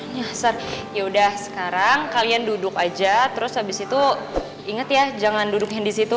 nyasar yaudah sekarang kalian duduk aja terus abis itu inget ya jangan dudukin disitu